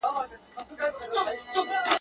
چي« رېبې به هغه څه چي دي کرلې».